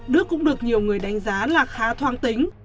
đức cũng được nhiều người đánh giá là khá thoan tính